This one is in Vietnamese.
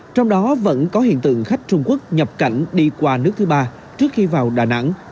trong đó vẫn có hiện tượng khách trung quốc nhập cảnh đi qua nước thứ ba trước khi vào đà nẵng